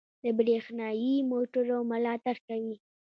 د بریښنايي موټرو ملاتړ کوي.